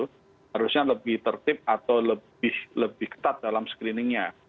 harusnya lebih tertib atau lebih ketat dalam screening nya